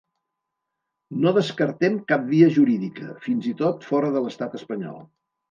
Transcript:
No descartem cap via jurídica, fins i tot fora de l’estat espanyol.